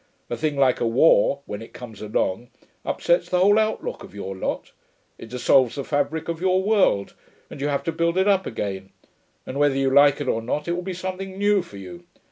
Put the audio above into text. A thing like a war, when it comes along, upsets the whole outlook of your lot; it dissolves the fabric of your world, and you have to build it up again and whether you like it or not, it will be something new for you.